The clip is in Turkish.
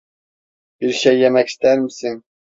Bir şey yemek ister misin?